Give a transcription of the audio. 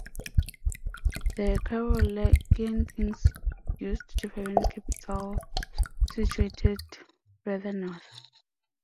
The Carolingian kings used different capitals situated further north.